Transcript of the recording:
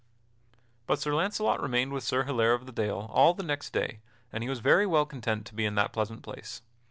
But Sir Launcelot remained with Sir Hilaire of the Dale all the next day and he was very well content to be in that pleasant place.